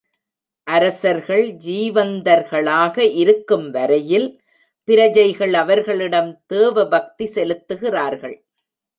அரசர்கள் ஜீவந்தர்களாக இருக்கும் வரையில் பிரஜைகள் அவர்களிடம் தேவபக்தி செலுத்துகிறார்கள்.